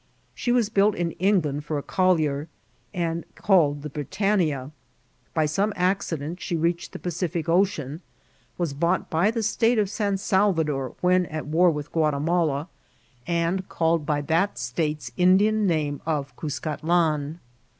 She was built in England for a collier, and call ed the Britannia. By some accident she reached the Pacific Ocean, was bought by die State of San Salva dor when at war with Guatimala, and called by that state's Indian name of Cuscatlan.